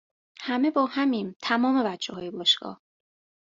همه باهمیم تمام بچههای باشگاه